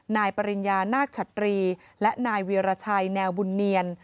นายปริญญานาคชัตรีและนายเวียรชัยแนวบุญเนียน